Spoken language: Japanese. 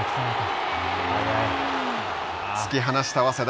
突き放した早稲田。